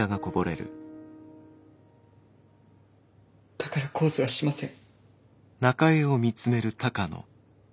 だから控訴はしません。